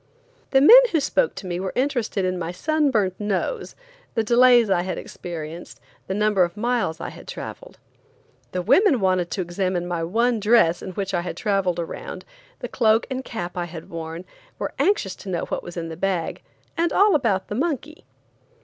The men who spoke to me were interested in my sun burnt nose, the delays I had experienced, the number of miles I had traveled. The women wanted to examine my one dress in which I had traveled around, the cloak and cap I had worn, were anxious to know what was in the bag, and all about the monkey.